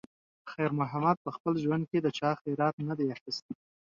خیر محمد په خپل ژوند کې د چا خیرات نه دی اخیستی.